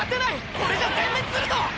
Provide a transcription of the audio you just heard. これじゃ全滅するぞ！